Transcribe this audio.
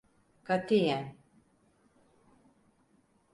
Katiyen.